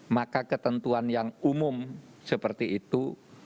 maka ketentuan yang umum seperti itu